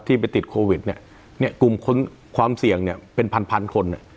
ไปติดโควิดเนี่ยเนี่ยกลุ่มคนความเสี่ยงเนี่ยเป็นพันพันคนเนี่ย